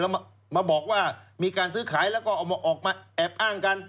เรามามาบอกว่ามีการซื้อขายแล้วก็ออกมาแอบอ้างกัน